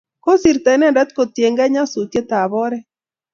kosirto inendet kotienge nyasutiet ab oret